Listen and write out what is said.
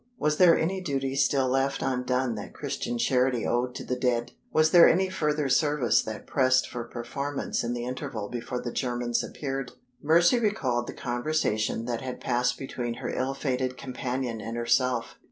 Was there any duty still left undone that Christian charity owed to the dead? Was there any further service that pressed for performance in the interval before the Germans appeared? Mercy recalled the conversation that had passed between her ill fated companion and herself.